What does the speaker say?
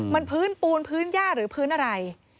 มันพื้นปูนพื้นย่าหรือพื้นอะไร